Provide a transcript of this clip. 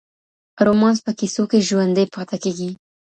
رومانس په کیسو کي ژوندۍ پاته کېږي.